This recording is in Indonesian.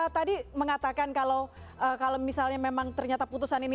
tadi mengatakan kalau misalnya memang ternyata putusan ini